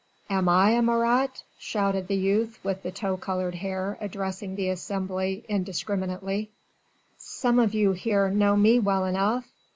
"Am I a Marat?" shouted the youth with the tow coloured hair addressing the assembly indiscriminately. "Some of you here know me well enough.